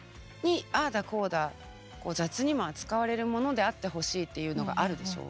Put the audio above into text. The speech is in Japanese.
雑にも扱われるものであってほしいっていうのがあるでしょう？